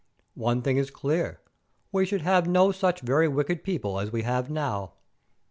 One thing is clear, we should have no such very wicked people as we have now.